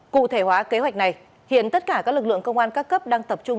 cụ thể hóa kế hoạch này hiện tất cả các lực lượng công an các cấp đang tập trung